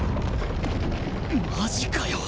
マジかよ